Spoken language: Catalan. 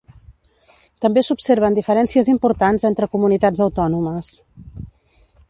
També s'observen diferències importants entre comunitats autònomes.